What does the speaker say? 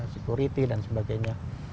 security dan sebagainya